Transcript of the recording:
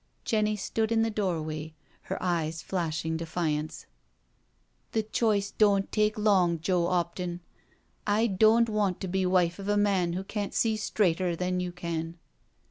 Jenny stood in the doorway, her eyes flashing de* fiance. *' The choice doan't take long, Joe 'Opton. I doan't want to be wife of a man who can't see straighter than you can.